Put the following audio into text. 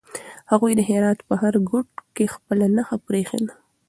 هغوی د هرات په هر ګوټ کې خپله نښه پرېښې ده.